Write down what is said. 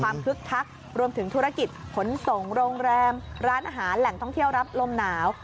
คึกคักรวมถึงธุรกิจขนส่งโรงแรมร้านอาหารแหล่งท่องเที่ยวรับลมหนาว